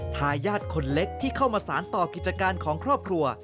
ทายาทคนเล็กที่เข้ามาสารต่อกิจการของครอบครัว